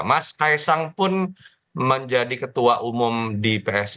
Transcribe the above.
mas kaisang pun menjadi ketua umum di psi